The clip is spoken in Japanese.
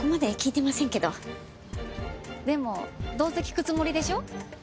でもどうせ聞くつもりでしょ？